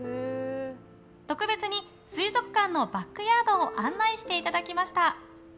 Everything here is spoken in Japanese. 特別に水族館のバックヤードを案内していただきました。